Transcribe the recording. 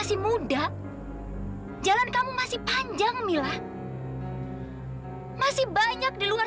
sampai jumpa di video selanjutnya